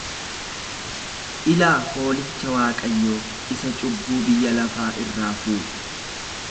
Ilaa hoolicha Waaqayyoo, isa cubbuu biyya lafaa irraa fuudhu.